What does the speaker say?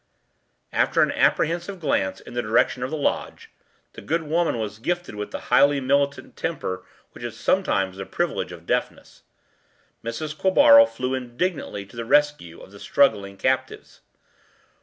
After an apprehensive glance in the direction of the lodge (the good woman was gifted with the highly militant temper which is sometimes the privilege of deafness) Mrs. Quabarl flew indignantly to the rescue of the struggling captives.